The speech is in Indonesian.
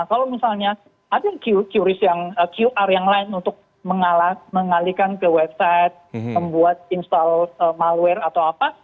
kalau misalnya ada qris yang lain untuk mengalihkan ke website membuat install malware atau apa